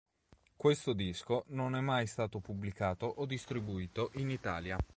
Questo disco non è mai stato pubblicato o distribuito in Italia.